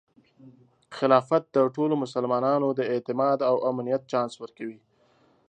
خلافت د ټولو مسلمانانو د اعتماد او امنیت چانس ورکوي.